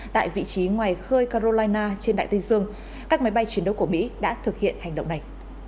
tại vị trí ngoài khơi carolina trên đại tây dương các máy bay chiến đấu của mỹ đã thực hiện hành động này